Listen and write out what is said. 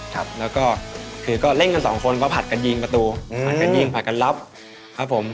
ครับแล้วก็คือก็เล่นกันสองคนมาผัดกันยิงประตูผลัดกันยิงผลัดกันรับครับผม